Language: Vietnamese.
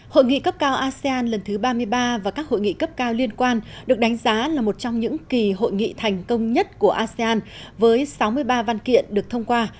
hội nghị cấp cao asean lần thứ ba mươi ba và các hội nghị cấp cao liên quan được đánh giá là một trong những kỳ hội nghị thành công nhất của asean với sáu mươi ba văn kiện được thông qua